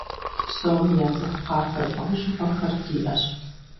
Псоми яцӀыху къафэ лӀэужьыгъуэхэр диӀэщ.